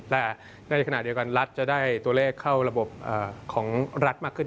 และในขณะเดียวกันรัฐจะได้ตัวเลขเข้าระบบของรัฐมากขึ้น